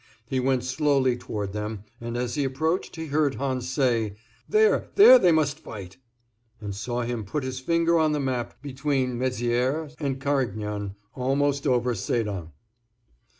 He went slowly toward them, and as he approached he heard Hans say: "There, there they must fight," and saw him put his finger on the map between Mézières and Carignan, almost over Sedan.